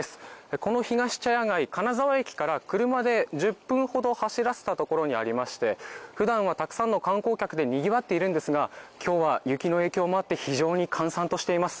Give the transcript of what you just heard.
このひがし茶屋街、金沢駅から車で１０分ほど走らせたところにありまして、ふだんはたくさんの観光客でにぎわっているんですが、今日は雪の影響もあって非常に閑散としています。